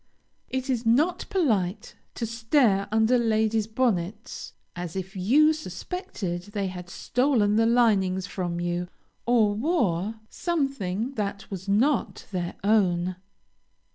It is not polite to stare under ladies' bonnets, as if you suspected they had stolen the linings from you, or wore something that was not their own.